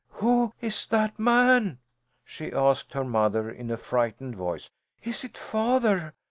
"Who is that man?" she asked her mother in a frightened voice. "Is it father?